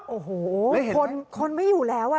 โอ้โหคนไม่อยู่แล้ว